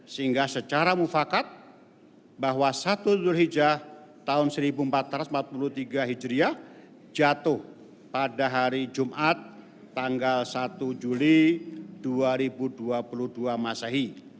sehingga secara mufakat bahwa satu dulhijjah tahun seribu empat ratus empat puluh tiga hijriah jatuh pada hari jumat tanggal satu juli dua ribu dua puluh dua masahi